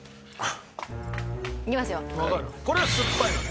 これはすっぱいのね？